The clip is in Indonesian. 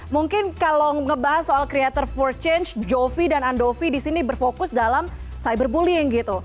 mungkin kalau ngebahas soal creator for change jovi dan andovi disini berfokus dalam cyberbullying gitu